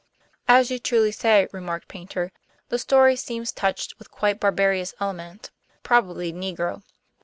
"As you truly say," remarked Paynter, "the story seems touched with quite barbarous elements, probably Negro.